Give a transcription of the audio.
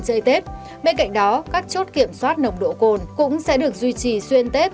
chơi tết bên cạnh đó các chốt kiểm soát nồng độ cồn cũng sẽ được duy trì xuyên tết